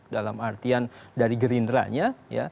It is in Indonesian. dalam artian dari gerindranya